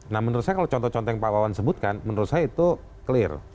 nah menurut saya kalau contoh contoh yang pak wawan sebutkan menurut saya itu clear